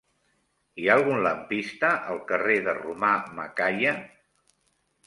Hi ha algun lampista al carrer de Romà Macaya?